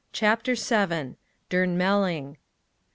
CHAPTER VII. DURNMELLING.